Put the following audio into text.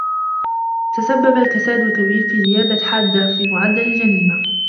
تسبّب الكساد الكبير في زيادة حادّة في معدّل الجريمة.